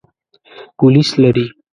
پولیس لري.